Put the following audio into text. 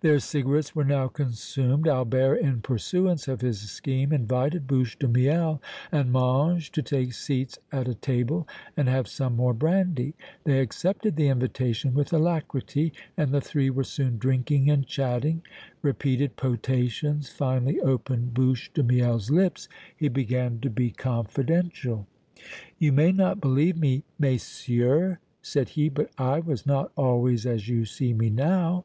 Their cigarettes were now consumed. Albert, in pursuance of his scheme, invited Bouche de Miel and Mange to take seats at a table and have some more brandy. They accepted the invitation with alacrity, and the three were soon drinking and chatting. Repeated potations finally opened Bouche de Miel's lips; he began to be confidential. "You may not believe me, messieurs," said he, "but I was not always as you see me now!"